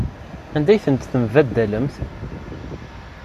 Anda ay tent-tembaddalemt?